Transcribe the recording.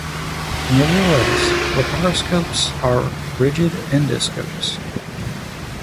Nevertheless, laparoscopes are rigid endoscopes.